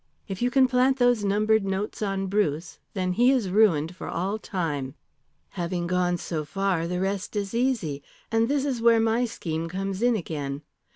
If you can plant those numbered notes on Bruce, then he is ruined for all time. "Having gone so far, the rest is easy. And this is where my scheme comes in again.